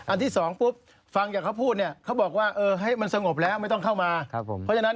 อันที่๒ปุ๊บฟังอย่างเขาพูดเนี่ยเขาบอกว่าเออมันสงบแล้วไม่ต้องเข้ามา